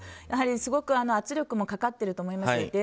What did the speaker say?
やはりすごく圧力もかかっていると思います。